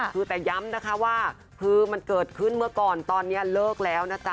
คือแต่ย้ำนะคะว่าคือมันเกิดขึ้นเมื่อก่อนตอนนี้เลิกแล้วนะจ๊